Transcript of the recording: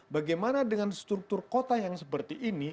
bagaimana dengan struktur kota yang seperti ini